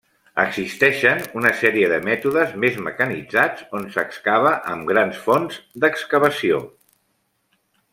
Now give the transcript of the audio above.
Existeixen una sèrie de mètodes, més mecanitzats, on s'excava amb grans fronts d'excavació.